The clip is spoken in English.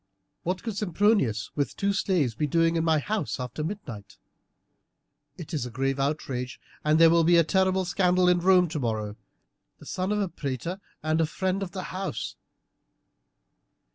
"What could Sempronius with two slaves be doing in my house after midnight? It is a grave outrage, and there will be a terrible scandal in Rome tomorrow the son of a praetor and a friend of the house!"